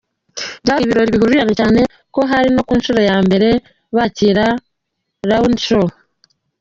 byari ibirori bihuriranye cyane ko hari no ku nshuro ya mbere bakira roadshow.